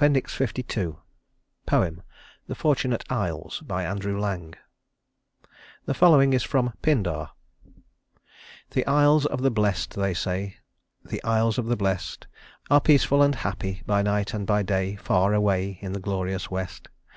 LII Poem: The Fortunate Isles ANDREW LANG The following is from Pindar: "The Isles of the Blest, they say, The Isles of the Blest, Are peaceful and happy, by night and by day, Far away in the glorious west.